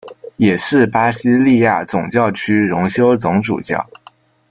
也是巴西利亚总教区荣休总主教。